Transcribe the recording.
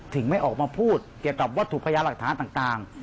ไม่ออกมาพูดเกี่ยวกับวัตถุพยาหลักฐานต่าง